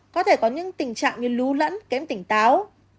có thể có những tình trạng như lún lẫn kém tỉnh táo